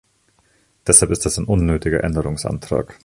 Deshalb ist das ein unnötiger Änderungsantrag.